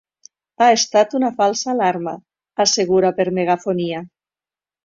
Ha estat una falsa alarma, assegura per megafonia.